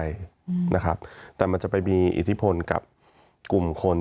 มีความรู้สึกว่ามีความรู้สึกว่า